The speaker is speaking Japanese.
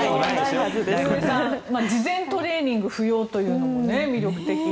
事前トレーニング不要というのも魅力的。